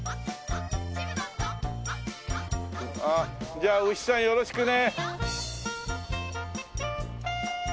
じゃあ牛さんよろしくね。